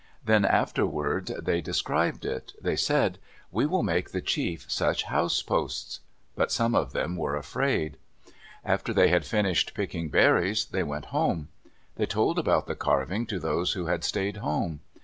Then afterward they described it. They said, "We will make the chief such house posts." But some of them were afraid. After they had finished picking berries, they went home. They told about the carving to those who had stayed home.